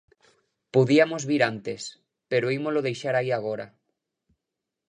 Podiamos vir antes, pero ímolo deixar aí agora.